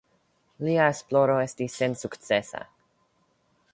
Lia esploro estis sensukcesa.